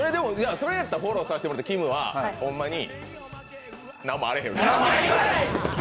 それやったらフォローさせてもらうわ、きむはホンマに何もあれへん。